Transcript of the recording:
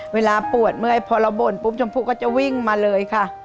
เวลาปวดเมื่อยพอเราบ่นปุ๊บชมพูก็จะวิ่งมาเลยค่ะ